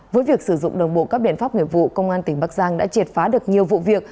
với việc sử dụng đồng bộ các biện pháp nghiệp vụ công an tỉnh bắc giang đã triệt phá được nhiều vụ việc